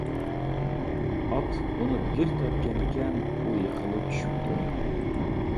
ئات ئۇنى بىر تەپكەنىكەن، ئۇ يېقىلىپ چۈشۈپتۇ.